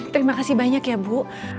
terima kasih banyak ya bu